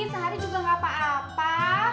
sehari juga gak apa apa